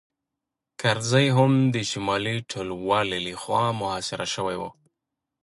کرزی هم د شمالي ټلوالې لخوا محاصره شوی و